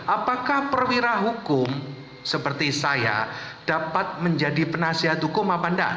apakah perwira hukum seperti saya dapat menjadi penasihat hukum apa enggak